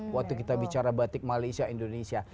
waktu kita bicara batik malaysia indonesia